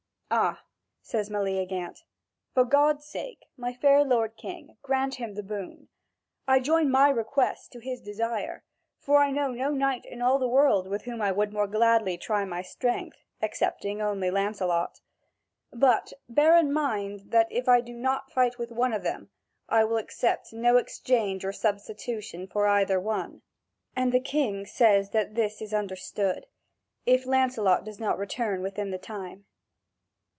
"Ah," says Meleagant, "for God's sake, my fair lord King, grant him the boon. I join my request to his desire, for I know no knight in all the world with whom I would more gladly try my strength, excepting only Lancelot. But bear in mind that, if I do not fight with one of them, I will accept no exchange or substitution for either one." And the King says that this is understood, if Lancelot does not return within the time.